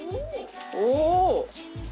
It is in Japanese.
おお！